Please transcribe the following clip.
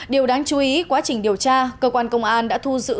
điều đáng chú ý quá trình điều tra cơ quan công an đã thu giữ